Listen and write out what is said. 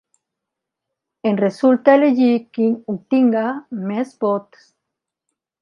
En resulta elegit qui obtinga més vots.